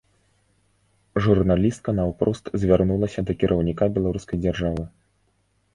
Журналістка наўпрост звярнулася да кіраўніка беларускай дзяржавы.